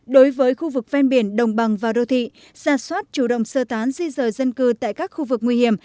đối với khu vực ven biển đồng bằng và đô thị giả soát chủ động sơ tán di rời dân cư tại các khu vực nguy hiểm